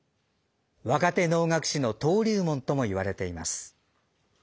若手能楽師の登竜門とも言われています。